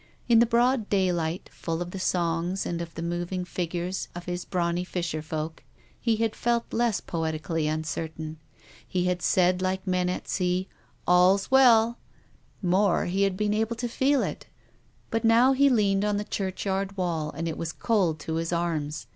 In the broad daylight, full of the songs and of the moving figures of his brawny fisher folk, he had felt less poetically uncertain. He had said like men at sea, " All's well !" More, he THE RAINBOW. ^ had been able to feel it. But now he leaned on the churchyard wall and it was cold to his arms.